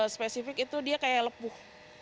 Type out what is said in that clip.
spesifik itu dia kayak lepuh